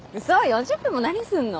４０分も何すんの？